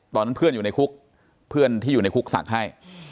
ตอนนั้นเพื่อนอยู่ในคุกเพื่อนที่อยู่ในคุกศักดิ์ให้